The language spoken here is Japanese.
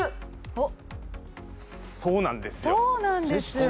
そうなんですよ。